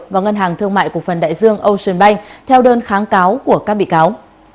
và ngân hàng thương mại cục phần đại dương ocean bank theo đơn kháng cáo của các bị cáo